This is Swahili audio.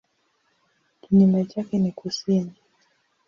Kinyume chake ni kusini.